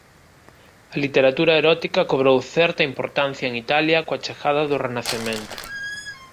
A literatura erótica cobrou certa importancia en Italia coa chegada do Renacemento.